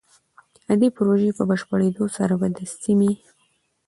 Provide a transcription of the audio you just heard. د دې پروژې په بشپړېدو سره به د سيمې